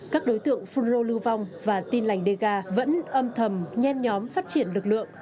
các đối tượng phunro lưu vong và tin lạch đề ga vẫn âm thầm nhen nhóm phát triển lực lượng